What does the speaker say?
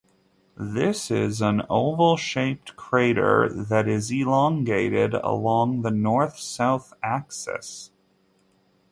This is an oval-shaped crater that is elongated along the north-south axis.